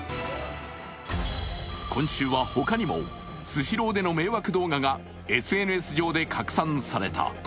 今週は他にも、スシローでの迷惑動画がＳＮＳ上で拡散された。